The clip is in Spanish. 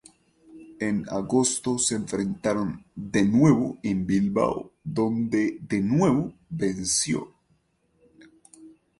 En agosto se enfrentaron de nuevo en Bilbao, donde de nuevo venció.